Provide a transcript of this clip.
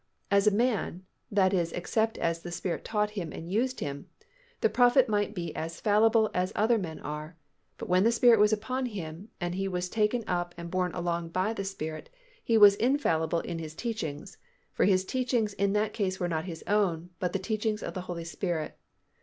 As a man, that is except as the Spirit taught him and used him, the prophet might be as fallible as other men are but when the Spirit was upon him and he was taken up and borne along by the Holy Spirit, he was infallible in his teachings; for his teachings in that case were not his own, but the teachings of the Holy Spirit.